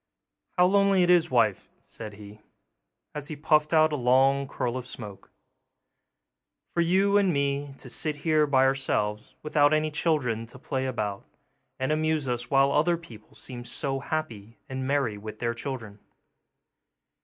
'How lonely it is, wife,' said he, as he puffed out a long curl of smoke, 'for you and me to sit here by ourselves, without any children to play about and amuse us while other people seem so happy and merry with their children!